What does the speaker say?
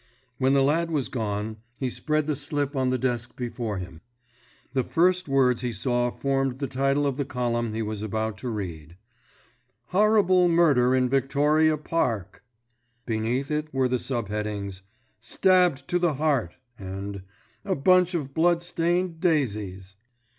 When the lad was gone he spread the slip on the desk before him. The first words he saw formed the title of the column he was about to read: "Horrible Murder in Victoria Park!" Beneath it were the sub headings, "Stabbed to the Heart!" and "A Bunch of Blood stained Daisies!"